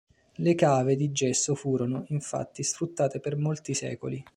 Le cave di gesso furono, infatti, sfruttate per molti secoli.